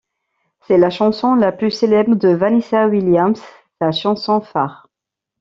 C'est la chanson la plus célèbre de Vanessa Williams, sa chanson phare.